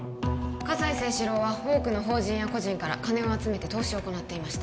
葛西征四郎は多くの法人や個人から金を集めて投資を行っていました